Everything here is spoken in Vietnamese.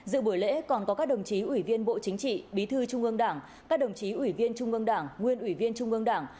dự buổi lễ còn có các đồng chí ủy viên bộ chính trị bí thư trung ương đảng các đồng chí ủy viên trung ương đảng nguyên ủy viên trung ương đảng